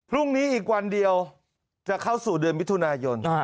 พรุ่งนี้อีกวันเดียวจะเข้าสู่เดือนมิถุนายน